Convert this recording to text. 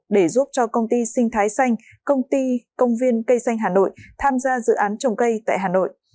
để giúp cho công ty sinh thái xanh công ty công viên cây xanh hà nội tham gia dự án trồng cây tại hà nội